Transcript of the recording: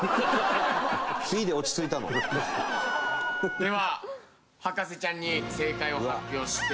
では博士ちゃんに正解を発表してもらいましょう。